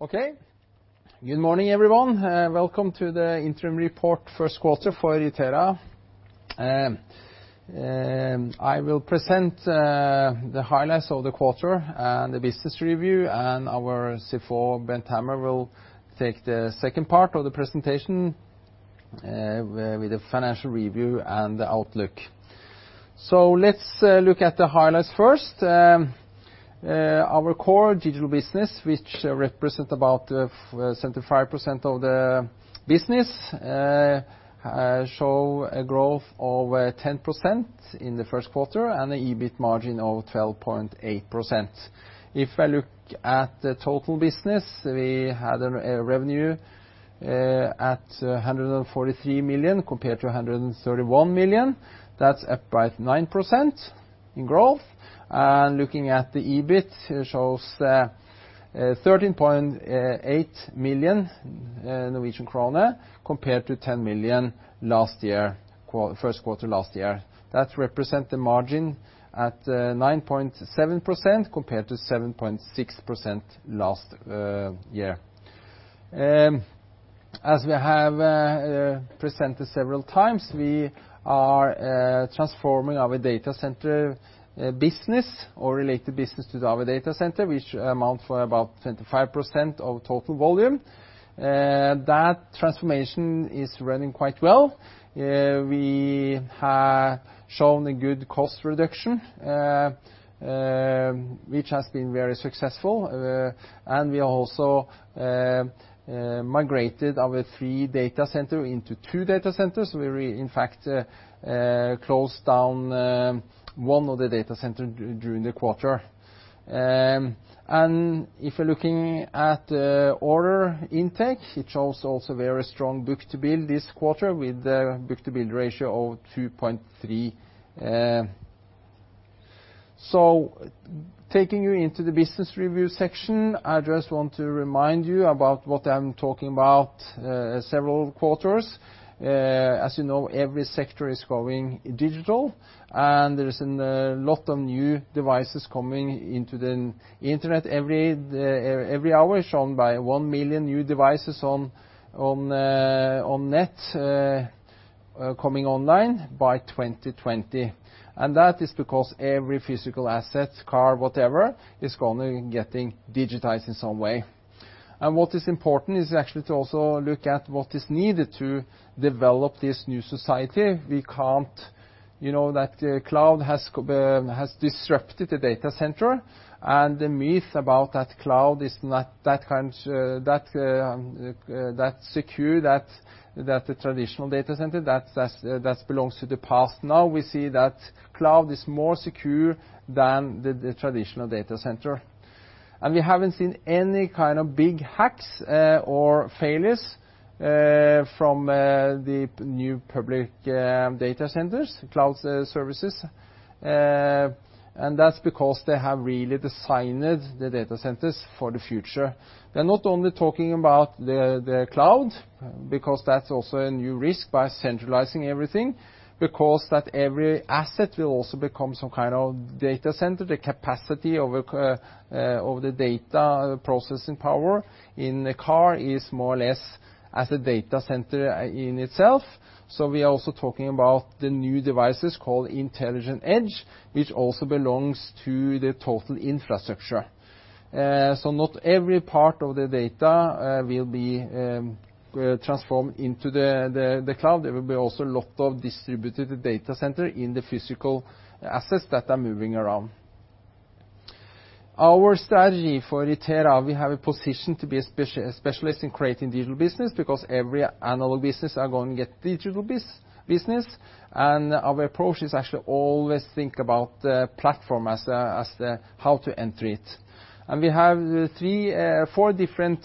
Okay. Good morning, everyone. Welcome to the interim report, first quarter for Itera. I will present the highlights of the quarter and the business review, and our CFO, Bent Hammer, will take the second part of the presentation with the financial review and the outlook. So let's look at the highlights first. Our core digital business, which represents about 75% of the business, showed a growth of 10% in the first quarter and an EBIT margin of 12.8%. If I look at the total business, we had a revenue at 143 million compared to 131 million. That's up by 9% in growth. And looking at the EBIT, it shows 13.8 million Norwegian krone compared to 10 million last year, first quarter last year. That represents the margin at 9.7% compared to 7.6% last year. As we have presented several times, we are transforming our data center business or related business to our data center, which amounts to about 25% of total volume. That transformation is running quite well. We have shown a good cost reduction, which has been very successful. And we also migrated our three data centers into two data centers. We really, in fact, closed down one of the data centers during the quarter. And if you're looking at order intake, it shows also a very strong book-to-bill this quarter with a book-to-bill ratio of 2.3. So taking you into the business review section, I just want to remind you about what I'm talking about several quarters. As you know, every sector is going digital, and there's a lot of new devices coming into the internet every hour, shown by one million new devices on-net coming online by 2020. And that is because every physical asset, car, whatever, is going to be getting digitized in some way. What is important is actually to also look at what is needed to develop this new society. We can't. That cloud has disrupted the data center. The myth about that cloud is that secure, that the traditional data center, that belongs to the past. Now we see that cloud is more secure than the traditional data center. We haven't seen any kind of big hacks or failures from the new public data centers, cloud services. That's because they have really designed the data centers for the future. They're not only talking about the cloud, because that's also a new risk by centralizing everything, because that every asset will also become some kind of data center. The capacity of the data processing power in the car is more or less as a data center in itself, so we are also talking about the new devices called Intelligent Edge, which also belongs to the total infrastructure, so not every part of the data will be transformed into the cloud. There will be also a lot of distributed data centers in the physical assets that are moving around. Our strategy for Itera. We have a position to be specialized in creating digital business, because every analog business is going to get digital business, and our approach is actually always to think about the platform as how to enter it, and we have four different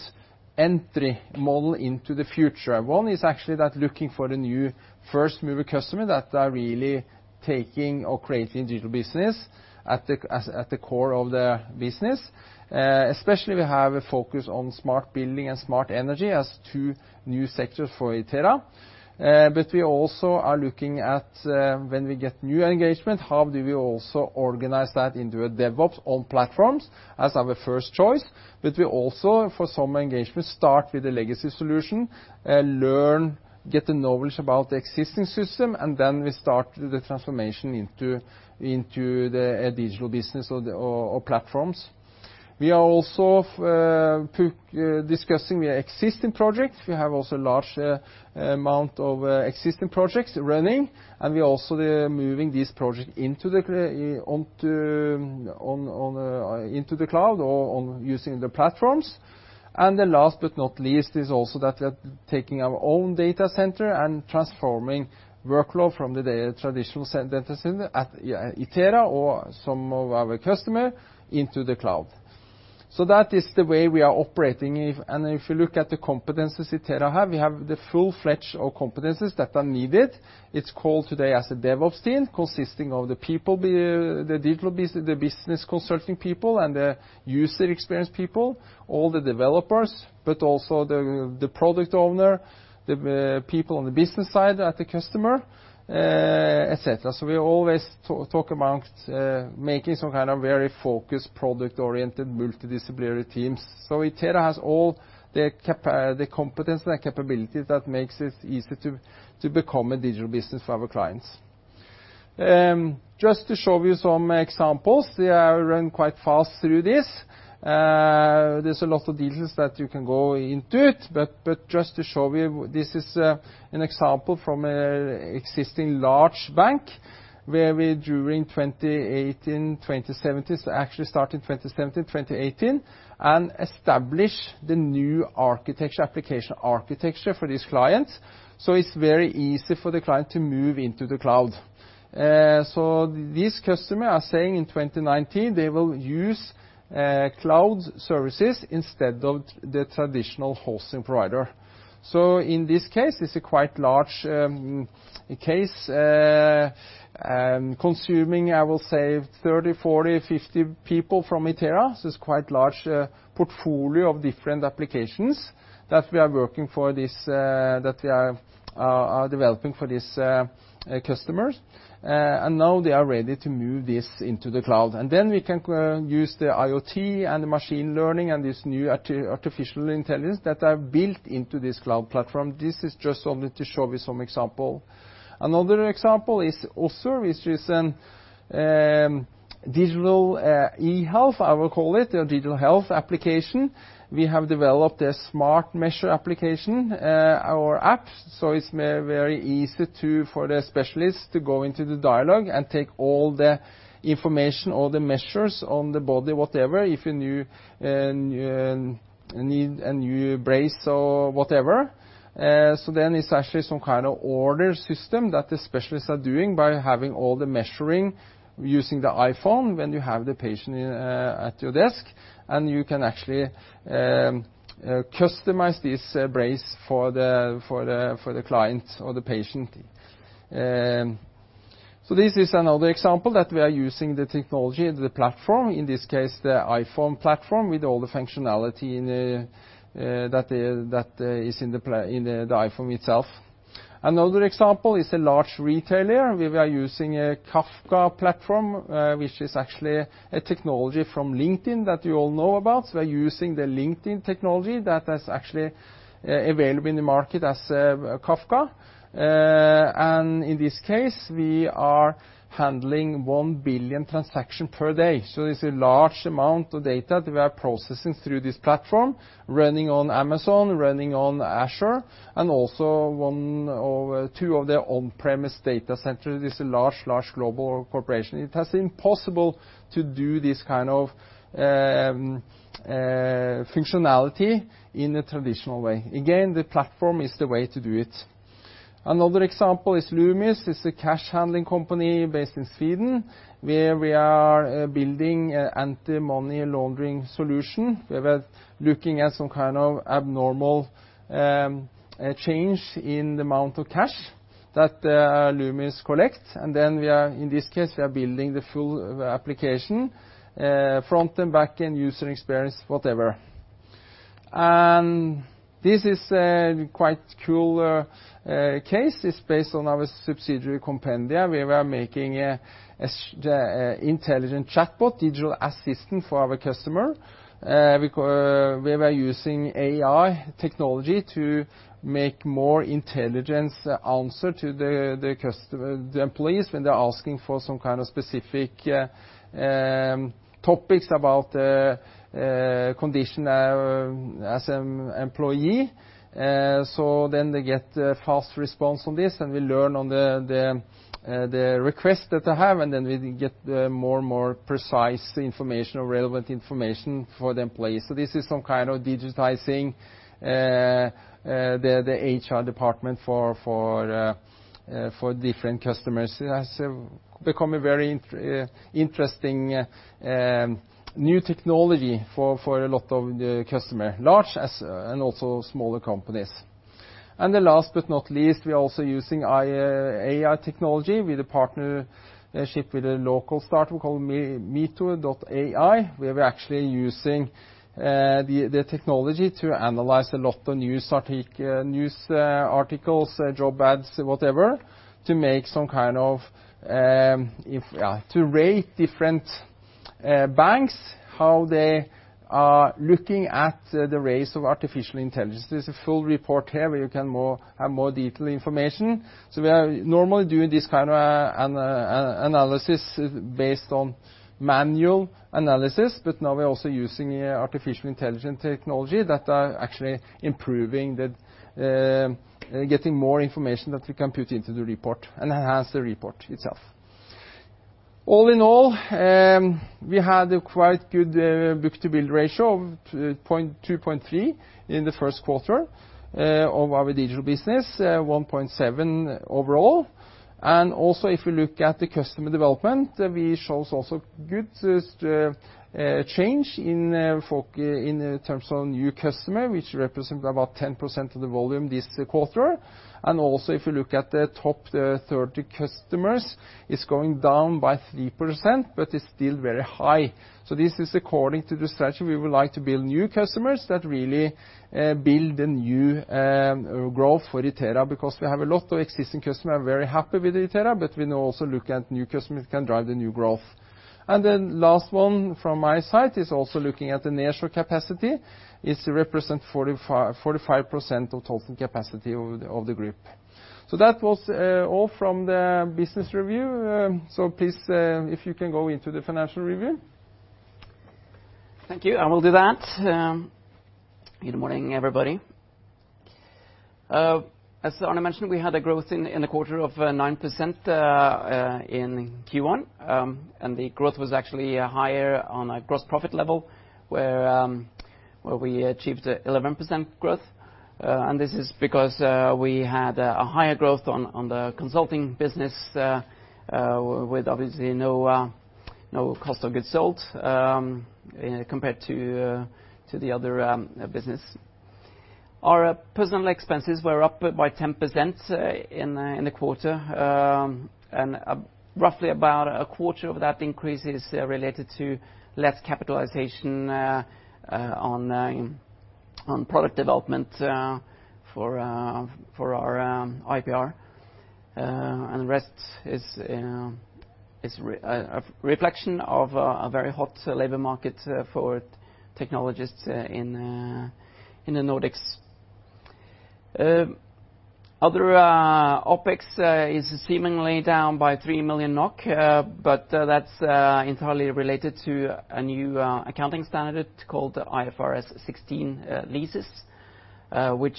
entry models into the future. One is actually that looking for a new first-mover customer that is really taking or creating digital business at the core of the business. Especially, we have a focus on smart building and smart energy as two new sectors for Itera. But we also are looking at when we get new engagement how do we also organize that into a DevOps on platforms as our first choice. But we also, for some engagement, start with a legacy solution, learn, get the knowledge about the existing system, and then we start the transformation into a digital business or platforms. We are also discussing the existing projects. We have also a large amount of existing projects running. And we are also moving these projects into the cloud or using the platforms. And last but not least, is also that we are taking our own data center and transforming workload from the traditional data center at Itera or some of our customers into the cloud. So that is the way we are operating. And if you look at the competencies Itera has, we have the full-fledged competencies that are needed. It's called today as a DevOps team, consisting of the people, the business consulting people, and the user experience people, all the developers, but also the product owner, the people on the business side at the customer, etc. So we always talk about making some kind of very focused, product-oriented, multidisciplinary teams. So Itera has all the competencies and capabilities that make it easy to become a digital business for our clients. Just to show you some examples, I'll run quite fast through this. There's a lot of details that you can go into it. But just to show you, this is an example from an existing large bank, where we during 2018, 2017, actually started in 2017, 2018, and established the new architecture, application architecture for this client. So it's very easy for the client to move into the cloud. So these customers are saying in 2019 they will use cloud services instead of the traditional hosting provider. So in this case, it's a quite large case, consuming, I will say, 30, 40, 50 people from Itera. So it's quite a large portfolio of different applications that we are working for, that we are developing for these customers. And now they are ready to move this into the cloud. And then we can use the IoT and machine learning and this new artificial intelligence that are built into this cloud platform. This is just only to show you some examples. Another example is also this digital e-health, I will call it, or digital health application. We have developed a SmartMeasure application, our app. It's very easy for the specialists to go into the dialogue and take all the information or the measures on the body, whatever, if you need a new brace or whatever. So then it's actually some kind of order system that the specialists are doing by having all the measuring using the iPhone when you have the patient at your desk. And you can actually customize this brace for the client or the patient. So this is another example that we are using the technology and the platform, in this case, the iPhone platform with all the functionality that is in the iPhone itself. Another example is a large retailer. We are using a Kafka platform, which is actually a technology from LinkedIn that you all know about. So we're using the LinkedIn technology that is actually available in the market as Kafka. And in this case, we are handling one billion transactions per day. So it's a large amount of data that we are processing through this platform, running on Amazon, running on Azure, and also two of the on-premise data centers. It's a large, large global corporation. It has been possible to do this kind of functionality in a traditional way. Again, the platform is the way to do it. Another example is Loomis. It's a cash handling company based in Sweden, where we are building an anti-money laundering solution. We were looking at some kind of abnormal change in the amount of cash that Loomis collects. And then in this case, we are building the full application, front-end, back-end, user experience, whatever. And this is a quite cool case. It's based on our subsidiary Compendia, where we are making an intelligent chatbot, digital assistant for our customer. We were using AI technology to make more intelligent answers to the employees when they're asking for some kind of specific topics about the condition as an employee. So then they get fast response on this. Then we learn on the request that they have, and then we get more and more precise information or relevant information for the employees. So this is some kind of digitizing the HR department for different customers. It has become a very interesting new technology for a lot of the customers, large and also smaller companies. And last but not least, we are also using AI technology with a partnership with a local startup called Mito.ai, where we're actually using the technology to analyze a lot of news articles, job ads, whatever, to make some kind of, yeah, to rate different banks, how they are looking at the rates of artificial intelligence. There's a full report here where you can have more detailed information, so we are normally doing this kind of analysis based on manual analysis, but now we're also using artificial intelligence technology that are actually improving, getting more information that we can put into the report and enhance the report itself. All in all, we had a quite good book-to-bill ratio of 2.3 in the first quarter of our digital business, 1.7 overall, and also if we look at the customer development, we show also good change in terms of new customers, which represents about 10% of the volume this quarter, and also if you look at the top 30 customers, it's going down by 3%, but it's still very high. So this is according to the strategy we would like to build new customers that really build the new growth for Itera, because we have a lot of existing customers who are very happy with Itera, but we know also look at new customers who can drive the new growth. And the last one from my side is also looking at the nearshore capacity. It represents 45% of total capacity of the group. So that was all from the business review. So please, if you can go into the financial review. Thank you. I will do that. Good morning, everybody. As Arne mentioned, we had a growth in the quarter of 9% in Q1. And the growth was actually higher on a gross profit level, where we achieved 11% growth. And this is because we had a higher growth on the consulting business, with obviously no cost of goods sold compared to the other business. Our personnel expenses were up by 10% in the quarter. And roughly about a quarter of that increase is related to less capitalization on product development for our IPR. And the rest is a reflection of a very hot labor market for technologists in the Nordics. Other OpEx is seemingly down by 3 million NOK, but that's entirely related to a new accounting standard called IFRS 16 leases, which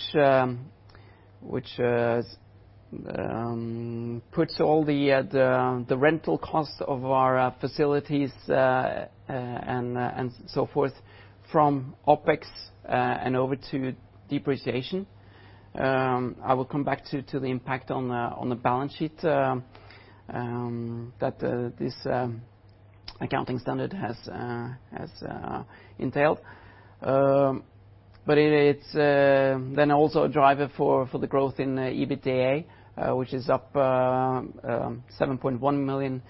puts all the rental costs of our facilities and so forth from OpEx and over to depreciation. I will come back to the impact on the balance sheet that this accounting standard has entailed. But it's then also a driver for the growth in EBITDA, which is up 7.1 million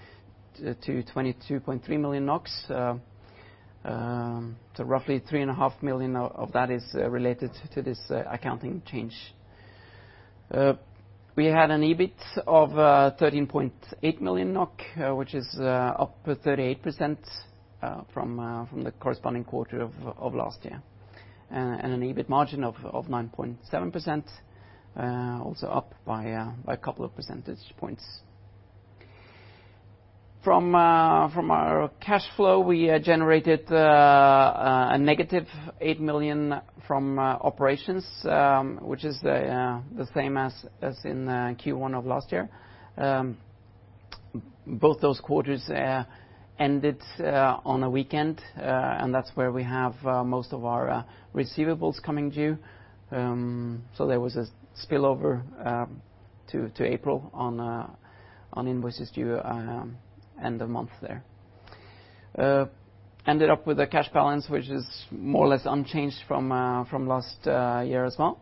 to 22.3 million NOK. So roughly 3.5 million of that is related to this accounting change. We had an EBIT of 13.8 million NOK, which is up 38% from the corresponding quarter of last year, and an EBIT margin of 9.7%, also up by a couple of percentage points. From our cash flow, we generated a negative 8 million from operations, which is the same as in Q1 of last year. Both those quarters ended on a weekend, and that's where we have most of our receivables coming due. So there was a spillover to April on invoices due end of month there. Ended up with a cash balance, which is more or less unchanged from last year as well.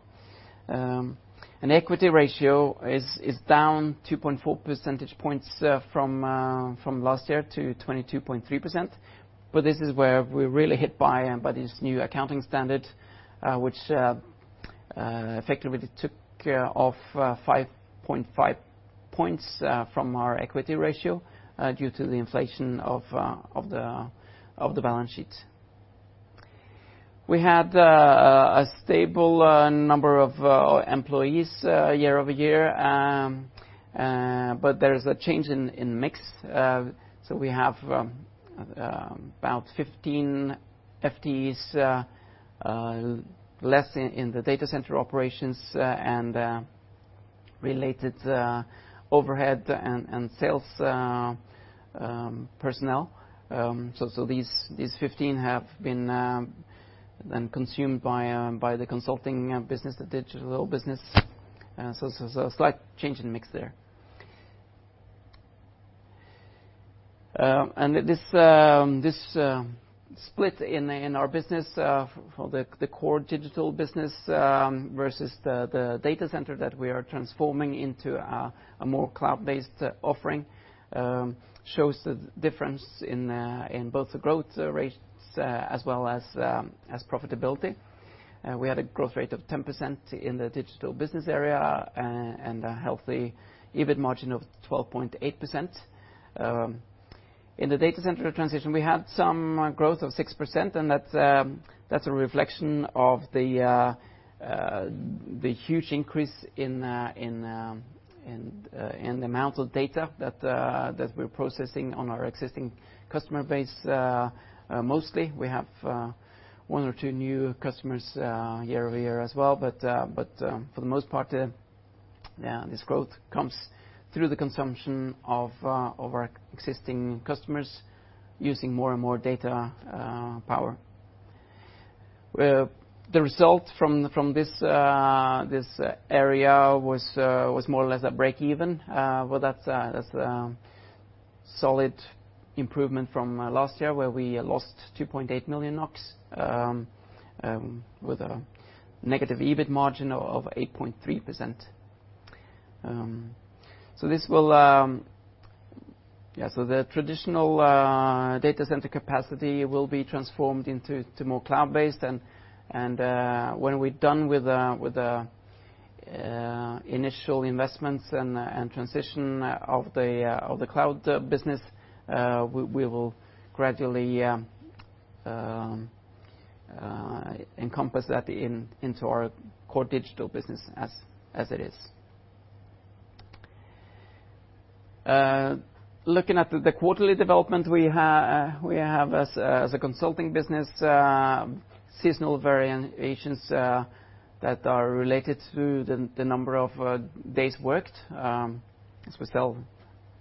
And the equity ratio is down 2.4 percentage points from last year to 22.3%. But this is where we're really hit by this new accounting standard, which effectively took off 5.5 points from our equity ratio due to the inflation of the balance sheet. We had a stable number of employees year-over-year, but there is a change in mix. So we have about 15 FTEs less in the data center operations and related overhead and sales personnel. So these 15 have been then consumed by the consulting business, the digital business. So it's a slight change in mix there. This split in our business for the core digital business versus the data center that we are transforming into a more cloud-based offering shows the difference in both the growth rates as well as profitability. We had a growth rate of 10% in the digital business area and a healthy EBIT margin of 12.8%. In the data center transition, we had some growth of 6%, and that's a reflection of the huge increase in the amount of data that we're processing on our existing customer base mostly. We have one or two new customers year-over-year as well. But for the most part, this growth comes through the consumption of our existing customers using more and more data power. The result from this area was more or less a break-even, but that's a solid improvement from last year, where we lost 2.8 million NOK with a negative EBIT margin of 8.3%, so this will, yeah, so the traditional data center capacity will be transformed into more cloud-based, and when we're done with the initial investments and transition of the cloud business, we will gradually encompass that into our core digital business as it is. Looking at the quarterly development, we have as a consulting business seasonal variations that are related to the number of days worked, so we sell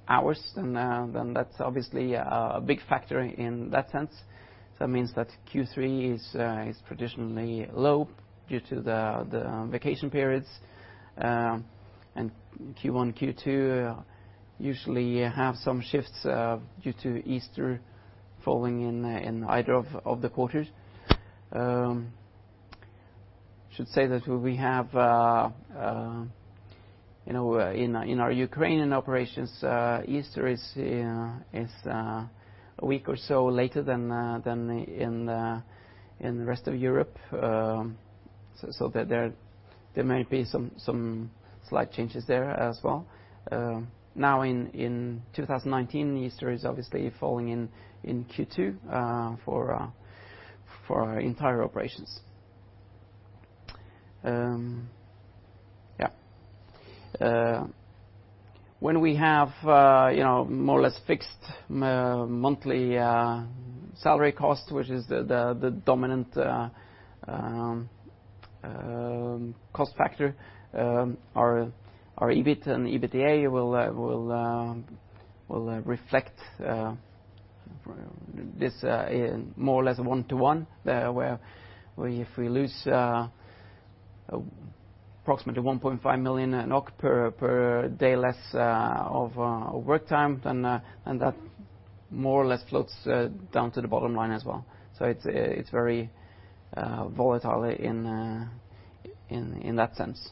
hours, and then that's obviously a big factor in that sense, so that means that Q3 is traditionally low due to the vacation periods, and Q1, Q2 usually have some shifts due to Easter falling in either of the quarters. I should say that we have, in our Ukrainian operations, Easter is a week or so later than in the rest of Europe, so there may be some slight changes there as well. Now, in 2019, Easter is obviously falling in Q2 for our entire operations. Yeah. When we have more or less fixed monthly salary cost, which is the dominant cost factor, our EBIT and EBITDA will reflect this more or less one-to-one, where if we lose approximately 1.5 million NOK per day less of work time, then that more or less floats down to the bottom line as well, so it's very volatile in that sense.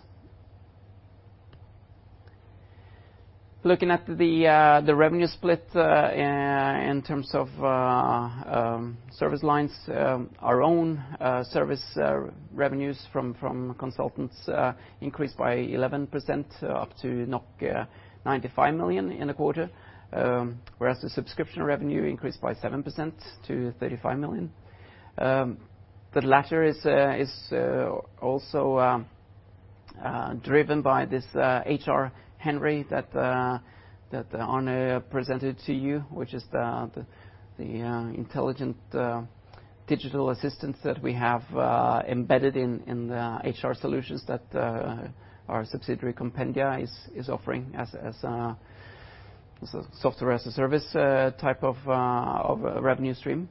Looking at the revenue split in terms of service lines, our own service revenues from consultants increased by 11% up to 95 million in the quarter, whereas the subscription revenue increased by 7% to 35 million. The latter is also driven by this HR entity that Arne presented to you, which is the intelligent digital assistant that we have embedded in the HR solutions that our subsidiary Compendia is offering as a software as a service type of revenue stream.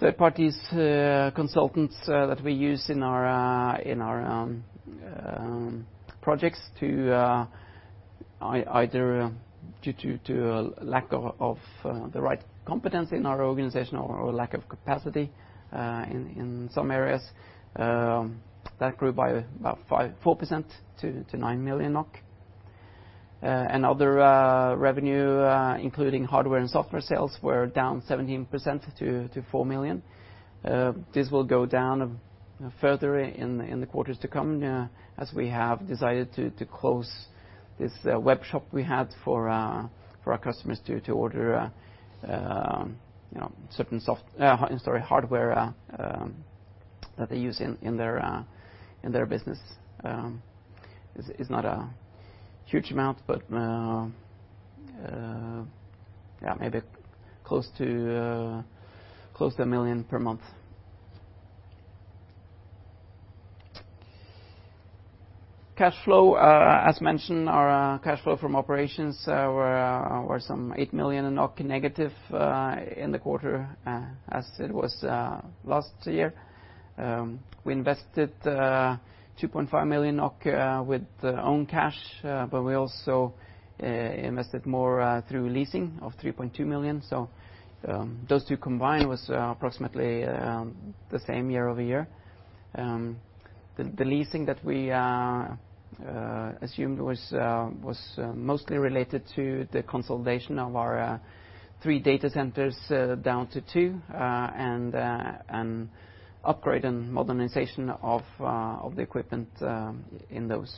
Third-party consultants that we use in our projects to either due to lack of the right competence in our organization or lack of capacity in some areas, that grew by about 4% to 9 million NOK. And other revenue, including hardware and software sales, were down 17% to 4 million. This will go down further in the quarters to come as we have decided to close this webshop we had for our customers to order certain hardware that they use in their business. It's not a huge amount, but yeah, maybe close to 1 million per month. Cash flow, as mentioned, our cash flow from operations were some 8 million negative in the quarter as it was last year. We invested 2.5 million NOK with own cash, but we also invested more through leasing of 3.2 million. So those two combined was approximately the same year-over-year. The leasing that we assumed was mostly related to the consolidation of our three data centers down to two and upgrade and modernization of the equipment in those.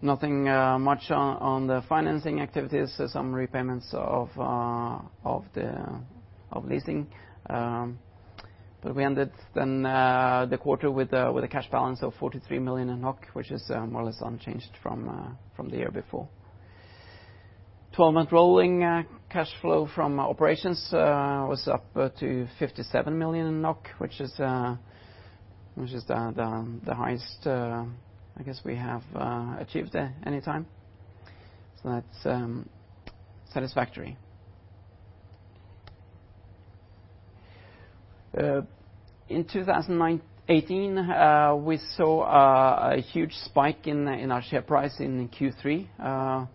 Nothing much on the financing activities, some repayments of leasing. But we ended then the quarter with a cash balance of 43 million, which is more or less unchanged from the year before. 12-month rolling cash flow from operations was up to 57 million, which is the highest, I guess, we have achieved any time. So that's satisfactory. In 2018, we saw a huge spike in our share price in Q3,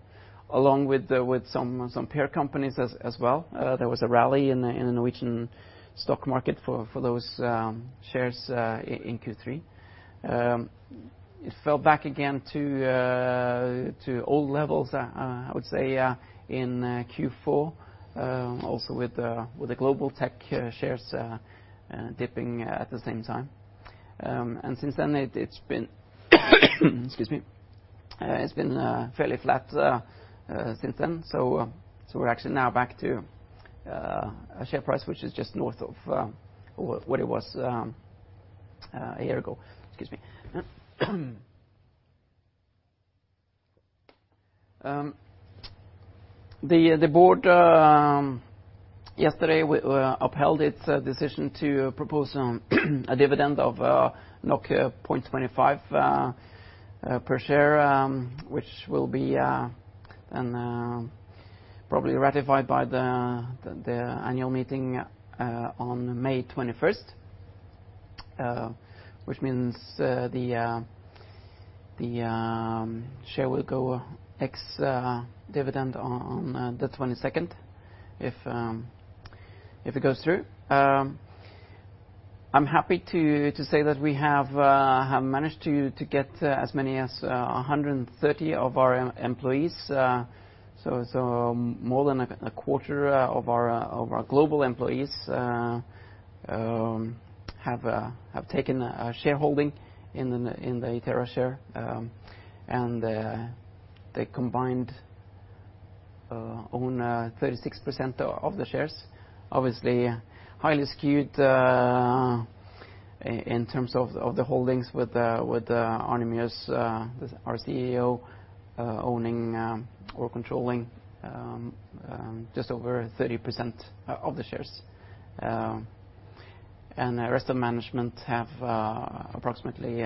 along with some peer companies as well. There was a rally in the Norwegian stock market for those shares in Q3. It fell back again to old levels, I would say, in Q4, also with the global tech shares dipping at the same time, and since then, it's been fairly flat since then, so we're actually now back to a share price which is just north of what it was a year ago. Excuse me. The board yesterday upheld its decision to propose a dividend of 0.25 per share, which will be then probably ratified by the annual meeting on May 21st, which means the share will go ex-dividend on the 22nd if it goes through. I'm happy to say that we have managed to get as many as 130 of our employees. More than a quarter of our global employees have taken shareholding in the Itera share, and they combined own 36% of the shares. Obviously, highly skewed in terms of the holdings with Arne Mjøs, our CEO, owning or controlling just over 30% of the shares. The rest of management have approximately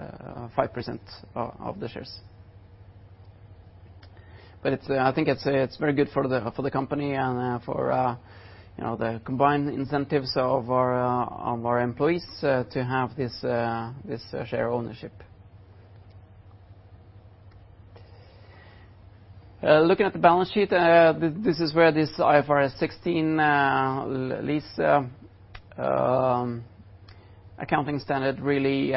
5% of the shares. I think it's very good for the company and for the combined incentives of our employees to have this share ownership. Looking at the balance sheet, this is where this IFRS 16 lease accounting standard really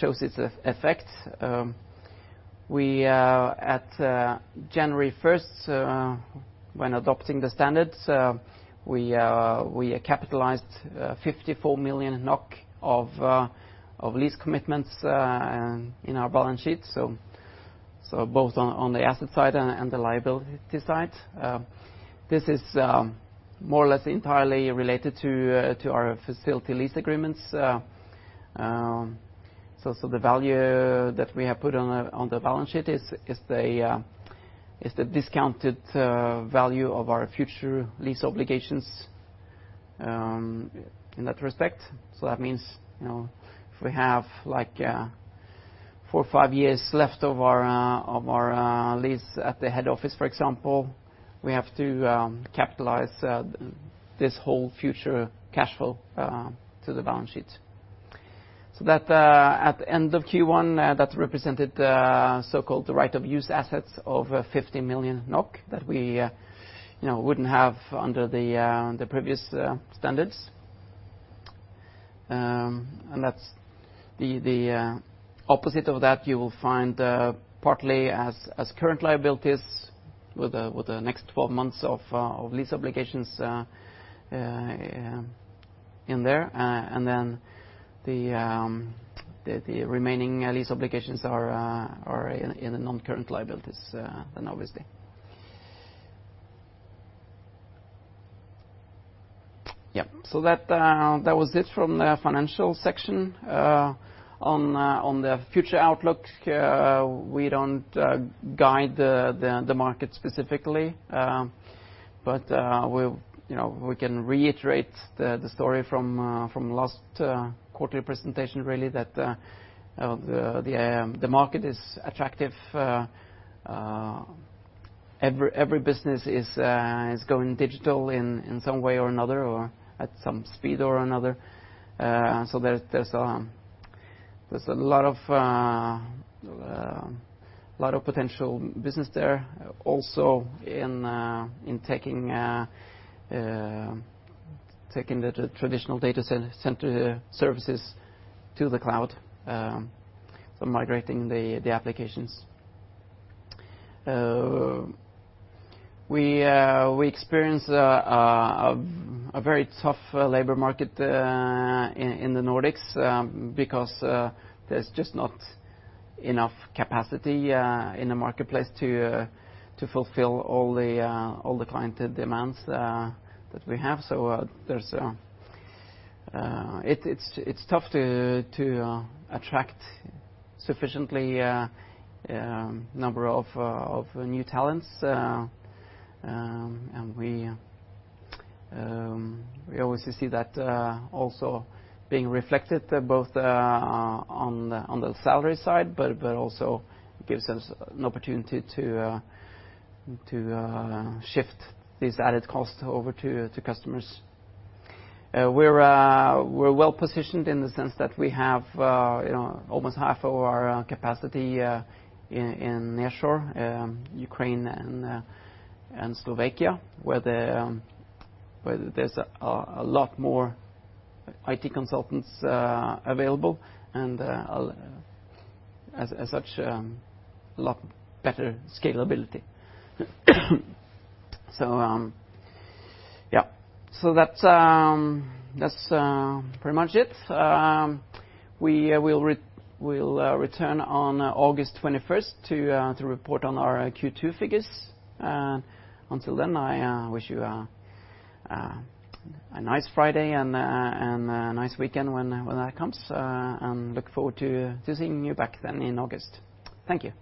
shows its effect. At January 1st, when adopting the standards, we capitalized 54 million NOK of lease commitments in our balance sheet, so both on the asset side and the liability side. This is more or less entirely related to our facility lease agreements. The value that we have put on the balance sheet is the discounted value of our future lease obligations in that respect. That means if we have four or five years left of our lease at the head office, for example, we have to capitalize this whole future cash flow to the balance sheet. At the end of Q1, that represented so-called right-of-use assets of 50 million NOK that we wouldn't have under the previous standards. And that's the opposite of that you will find partly as current liabilities with the next 12 months of lease obligations in there. And then the remaining lease obligations are in the non-current liabilities then, obviously. Yeah. That was it from the financial section. On the future outlook, we don't guide the market specifically, but we can reiterate the story from last quarterly presentation, really, that the market is attractive. Every business is going digital in some way or another or at some speed or another. So there's a lot of potential business there also in taking the traditional data center services to the cloud, so migrating the applications. We experience a very tough labor market in the Nordics because there's just not enough capacity in the marketplace to fulfill all the client demands that we have. So it's tough to attract sufficiently a number of new talents. And we obviously see that also being reflected both on the salary side, but also gives us an opportunity to shift these added costs over to customers. We're well positioned in the sense that we have almost half of our capacity in nearshore, Ukraine and Slovakia, where there's a lot more IT consultants available and, as such, a lot better scalability. So yeah. So that's pretty much it. We will return on August 21st to report on our Q2 figures. Until then, I wish you a nice Friday and a nice weekend when that comes and look forward to seeing you back then in August. Thank you.